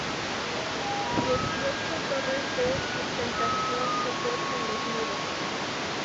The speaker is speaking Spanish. Dieciocho torres de sustentación refuerzan los muros.